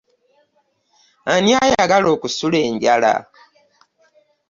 Ani ayagala okusula enjala.